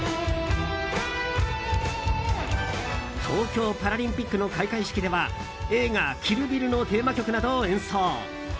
東京パラリンピックの開会式では映画「キル・ビル」のテーマ曲などを演奏。